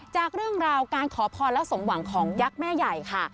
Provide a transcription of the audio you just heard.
จากเรื่องราวการขอพรและสมหวังของยักษ์แม่ใหญ่ค่ะ